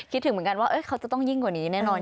คิดถึงเหมือนกันว่าเขาจะต้องยิ่งกว่านี้แน่นอน